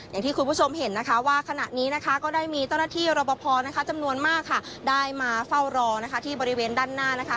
อย่างที่คุณผู้ชมเห็นว่าขณะนี้ก็ได้มีเจ้าหน้าที่ระบบพอร์จำนวนมากได้มาเฝ้ารอที่บริเวณด้านหน้า